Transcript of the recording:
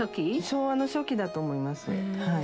昭和の初期だと思います。